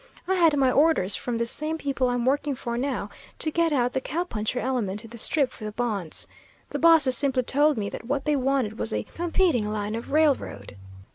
I had my orders from the same people I'm working for now, to get out the cow puncher element in the Strip for the bonds. The bosses simply told me that what they wanted was a competing line of railroad.